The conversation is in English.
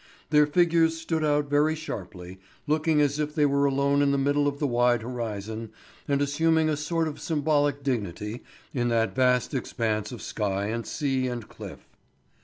Their figures stood out very sharply, looking as if they were alone in the middle of the wide horizon, and assuming a sort of symbolic dignity in that vast expanse of sky and sea and cliff.